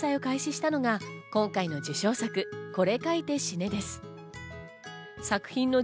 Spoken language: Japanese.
その次に連載を開始したのが、今回の受賞作『これ描いて死ね』です。